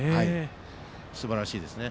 すばらしいですね。